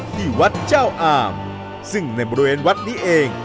ที่วัดเจ้าอามซึ่งในบริเวณวัดนี้เอง